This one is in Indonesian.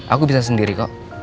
aku bisa sendiri kok